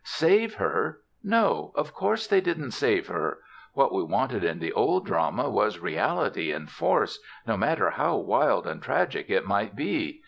Save her? No, of course they didn't save her. What we wanted in the Old Drama was reality and force, no matter how wild and tragic it might be.